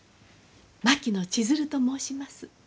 槙野千鶴と申します。